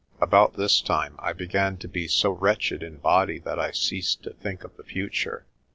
About this time I began to be so wretched in body that I ceased to think of the future.